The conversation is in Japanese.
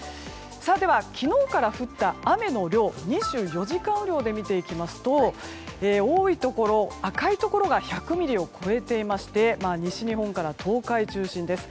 では、昨日から降った雨の量２４時間雨量で見ていきますと多いところ赤いところが１００ミリを超えていまして西日本から東海中心です。